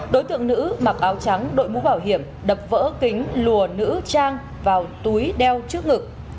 đối tượng nữ mặc áo trắng đội mũ bảo hiểm đập vỡ kính lùa nữ trang vào túi đeo trước ngực